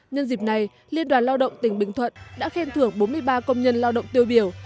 nhân dịp này liên đoàn lao động tỉnh bình thuận đã khen thưởng bốn mươi ba công nhân lao động tiêu biểu